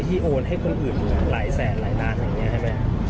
โอนให้คนอื่นหลายแสนหลายล้านอย่างนี้ใช่ไหม